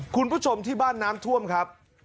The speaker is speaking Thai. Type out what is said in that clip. คุณผู้ชมที่บ้านน้ำท่วมครับ